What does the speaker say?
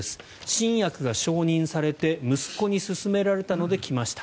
新薬が承認されて息子に勧められたので来ました